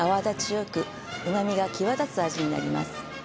よく旨味が際立つ味になります